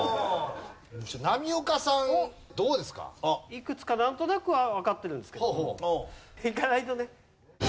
いくつかなんとなくはわかってるんですけどいかないとね。